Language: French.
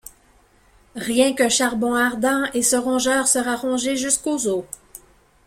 Rien qu’un charbon ardent, et ce rongeur sera rongé jusqu’aux os